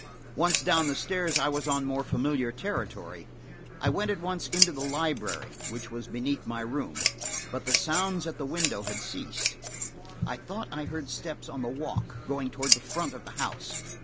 Once down the stairs I was on more familiar territory. I went at once into the library, which was beneath my room, but the sounds at the window had ceased. I thought I heard steps on the walk, going toward the front of the house.